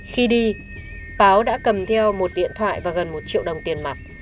khi đi báo đã cầm theo một điện thoại và gần một triệu đồng tiền mặt